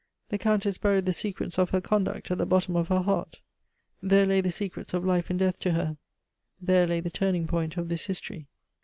The Countess buried the secrets of her conduct at the bottom of her heart. There lay the secrets of life and death to her, there lay the turning point of this history.